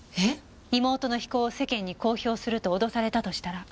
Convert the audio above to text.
妹の非行を世間に公表すると脅されたとしたら。